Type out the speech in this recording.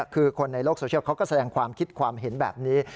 คือคนในโลกโซเชียลเขาก็แสดงความคิดความเห็นแบบนี้